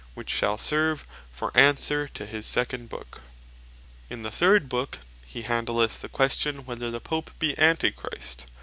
Which shall serve for answer to his second Book. The Third Book In the third Book, he handleth the question whether the Pope be Antichrist.